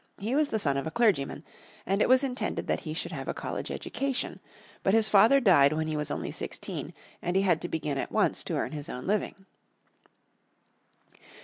He was the son of a clergyman, and it was intended that he should have a college education. But his father died when he was only sixteen, and he had to begin at once to earn his own living.